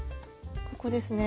ここですね？